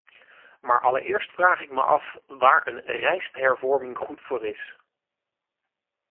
Maar allereerst vraag ik me af waar een rijsthervorming goed voor is.